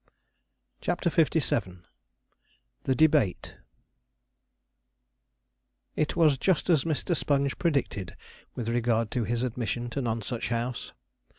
CHAPTER LVII THE DEBATE It was just as Mr. Sponge predicted with regard to his admission to Nonsuch House.